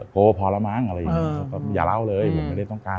โทรพอแล้วมั้งอะไรอย่างนี้อย่าเล่าเลยผมไม่ได้ต้องการ